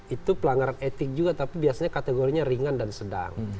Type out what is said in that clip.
itu pelanggaran etik juga tapi biasanya kategorinya ringan dan sedang